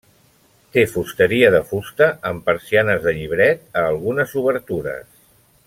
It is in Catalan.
Té fusteria de fusta amb persianes de llibret a algunes obertures.